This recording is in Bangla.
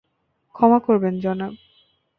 ক্ষমা করবেন, জনাব।